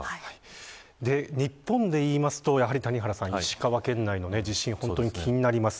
日本でいいますと、谷原さん石川県内の地震気になります。